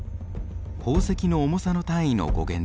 宝石の重さの単位の語源です。